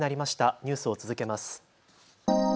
ニュースを続けます。